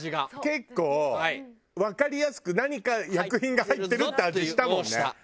結構わかりやすく何か薬品が入ってるって味したもんね。